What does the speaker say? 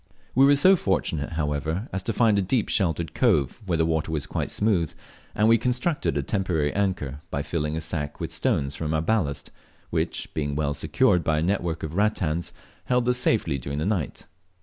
We were so fortunate, however, as to find a deep sheltered cove where the water was quite smooth, and we constructed a temporary anchor by filling a sack with stones from our ballast, which being well secured by a network of rattans held us safely during the night.